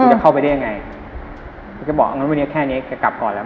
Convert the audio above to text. จะเข้าไปได้ยังไงแกบอกอันนู้นวันนี้แค่เนี้ยแกกลับก่อนแล้ว